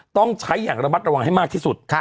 ต้องใช้อย่างระมัดระวังให้มากที่สุด